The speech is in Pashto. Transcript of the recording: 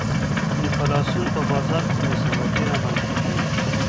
انفلاسیون په بازار کې بې ثباتي رامنځته کوي.